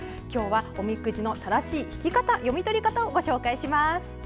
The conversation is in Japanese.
今日はおみくじの正しい引き方読み取り方をご紹介します。